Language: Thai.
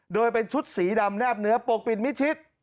โดยเป็นชุดสีดำแนบเนื้อปกปิดมิชิด